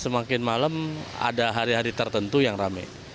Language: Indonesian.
semakin malam ada hari hari tertentu yang rame